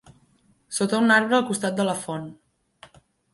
Sota un arbre al costat de la font.